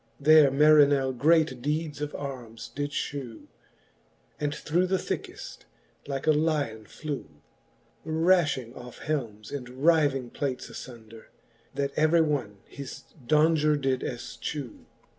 There Marinell great deeds of armes did ftiew, And through the thickeft like a lyon flew ; Raftiing oft^ helmes^ and ryving plates aibnder, That every one his daunger did elchew.